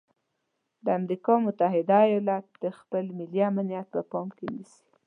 د امریکا متحده ایالات د خپل ملي امنیت په پام کې نیسي.